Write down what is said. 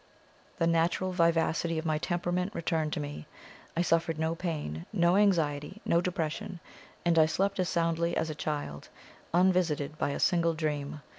The natural vivacity of my temperament returned to me; I suffered no pain, no anxiety, no depression, and I slept as soundly as a child, unvisited by a single dream.